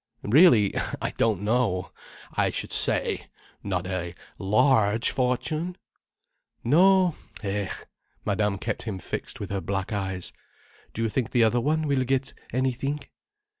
"Really, I don't know. I should say, not a large fortune—!" "No—eh?" Madame kept him fixed with her black eyes. "Do you think the other one will get anything?"